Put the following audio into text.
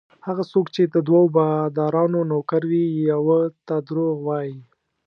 هغه څوک چې د دوو بادارانو نوکر وي یوه ته درواغ وايي.